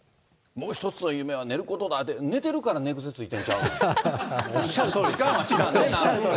もう１つの夢は寝ることだって、寝てるから寝癖ついてるんちおっしゃるとおりですね。